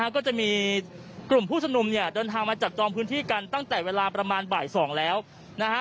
ก็จะมีกลุ่มผู้ชุมนุมเนี่ยเดินทางมาจับจองพื้นที่กันตั้งแต่เวลาประมาณบ่าย๒แล้วนะฮะ